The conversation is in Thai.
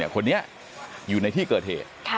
คนนี้อยู่ในที่เกิดเหตุ